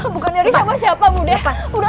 bukan dari siapa siapa muda